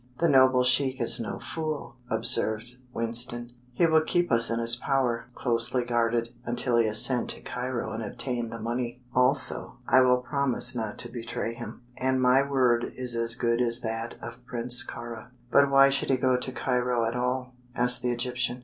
"The noble sheik is no fool," observed Winston. "He will keep us in his power, closely guarded, until he has sent to Cairo and obtained the money. Also, I will promise not to betray him, and my word is as good as that of Prince Kāra." "But why should he go to Cairo at all?" asked the Egyptian.